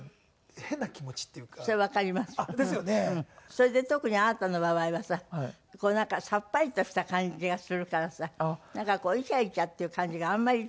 それで特にあなたの場合はさこうなんかさっぱりとした感じがするからさイチャイチャっていう感じがあんまりしないじゃない。